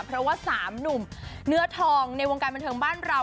เพราะว่า๓หนุ่มเนื้อทองในวงการบันเทิงบ้านเรา